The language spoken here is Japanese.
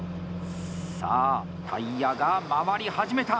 さあ、タイヤが回り始めた。